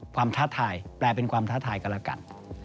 ท้าทายแปลเป็นความท้าทายกันแล้วกัน